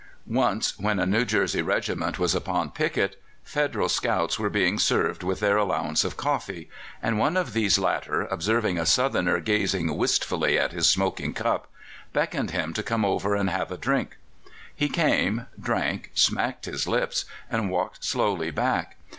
Once when a New Jersey regiment was upon picket Federal scouts were being served with their allowance of coffee, and one of these latter observing a Southerner gazing wistfully at his smoking cup, beckoned to him to come over and have a drink. He came, drank, smacked his lips, and walked slowly back.